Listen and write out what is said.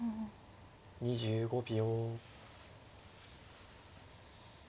２５秒。